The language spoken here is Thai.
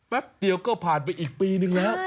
แป๊บเดียวก็ผ่านไปอีกปีนึงแล้ว